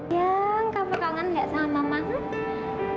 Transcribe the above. ya kava kau kan gak sama mama he